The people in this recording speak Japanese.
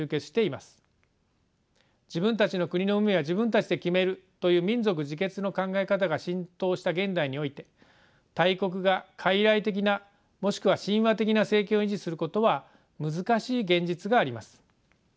自分たちの国の運命は自分たちで決めるという民族自決の考え方が浸透した現代において大国がかいらい的なもしくは親和的な政権を維持することは難しい現実があります。